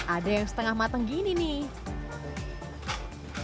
ada yang setengah matang gini nih